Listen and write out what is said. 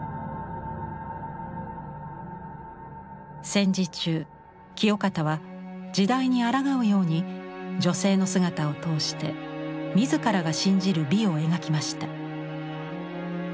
戦時中清方は時代にあらがうように女性の姿を通して自らが信じる美を描きました。